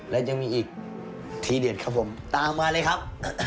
และยังมีอีกทีเด็ดครับผมตามมาเลยครับ